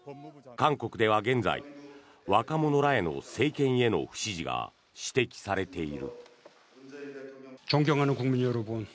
韓国では現在、若者らへの政権への不支持が指摘されている。